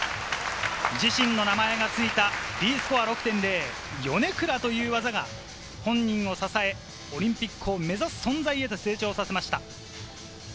自身の名前がついたＤスコア６．０、ヨネクラという技が本人を支え、オリンピックを目指す存在へと成長させました。